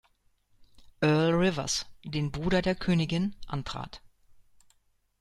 Earl Rivers, den Bruder der Königin, antrat.